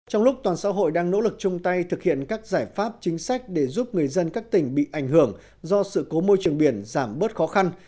trong lúc toàn xã hội đang nỗ lực chung tay thực hiện các giải pháp chính sách để giúp người dân các tỉnh bị ảnh hưởng do sự cố môi trường biển giảm bớt khó khăn